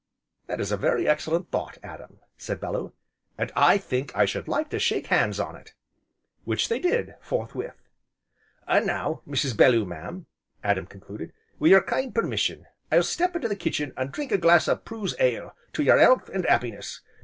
"That is a very excellent thought Adam!" said Bellew, "and I think I should like to shake hands on it." Which they did, forthwith. "An' now, Mrs. Belloo mam," Adam concluded, "wi' your kind permission, I'll step into the kitchen, an' drink a glass o' Prue's ale to your 'ealth, and 'appiness.